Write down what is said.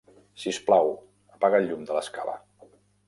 Si us plau, apaga el llum de l'escala.